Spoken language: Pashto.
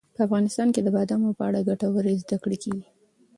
په افغانستان کې د بادامو په اړه ګټورې زده کړې کېږي.